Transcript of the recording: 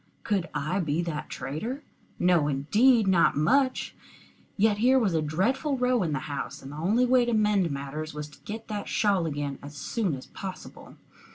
Could I be that traitor? No indeed not much! Yet here was a dreadful row in the house, and the only way to mend matters was to get that shawl again as soon as possible.